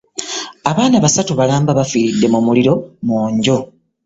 Abaana basatu balamba baafiiridde mu muliro mu nju.